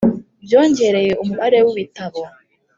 Byongereye umubare w ibitabo